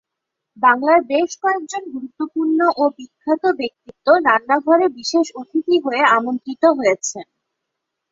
বাংলার বেশ কয়েকজন গুরুত্বপূর্ণ ও বিখ্যাত ব্যক্তিত্ব রান্নাঘরে বিশেষ অতিথি হয়ে আমন্ত্রিত হয়েছেন।